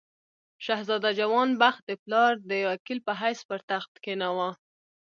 شهزاده جوان بخت د پلار د وکیل په حیث پر تخت کښېناوه.